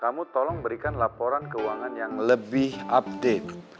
kamu tolong berikan laporan keuangan yang lebih update